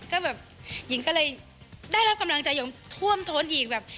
ก็แบบหญิงก็เลยได้รับกำลังใจอย่างท่วมท้นอีกแบบ